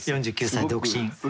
４９歳独身。